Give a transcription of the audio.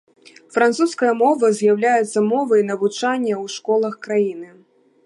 Французская мова з'яўляецца мовай навучання ў школах краіны.